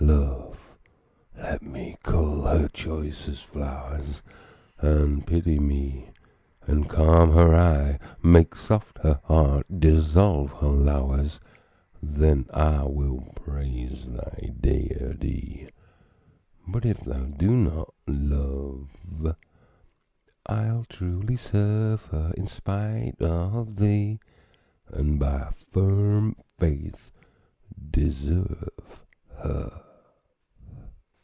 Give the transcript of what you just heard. Love, let me cull her choicest flowers, And pity me, and calm her eye; Make soft her heart, dissolve her lowers, Then will I praise thy deity, But if thou do not, Love, I'll truly serve her In spite of thee, and by firm faith deserve her.